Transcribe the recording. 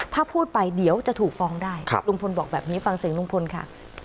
ถ้าพูดไปเดี๋ยวจะถูกฟ้องได้ลุงพลบอกแบบนี้ฟังเสียงลุงพลค่ะ